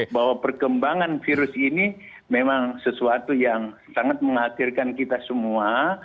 bahwa perkembangan virus ini memang sesuatu yang sangat menghatirkan kita semua